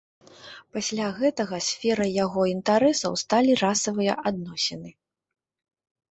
Пасля гэтага сферай яго інтарэсаў сталі расавыя адносіны.